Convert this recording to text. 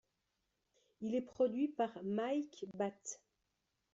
Il est produit par Mike Batt.